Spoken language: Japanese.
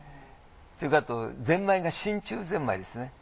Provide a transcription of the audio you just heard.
それからあとぜんまいが真鍮ぜんまいですね。